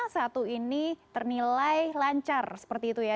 satu ini ternilai lancar seperti itu ya